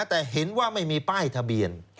แต่เห็นว่าไม่มีป้ายทะเบียน